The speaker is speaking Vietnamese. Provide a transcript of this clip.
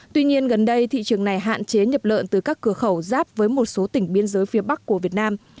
tuy nhiên gần đây thị trường này hạn chế nhập lợn từ các cửa khẩu giáp với một số tỉnh biên giới phía bắc của việt nam